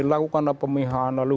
lakukanlah pemihana lu